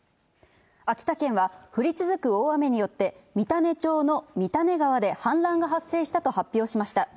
秋田県は、降り続く大雨によって、三種町の三種川で氾濫が発生したと発表しました。